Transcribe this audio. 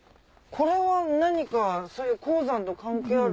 これは何か鉱山と関係ある？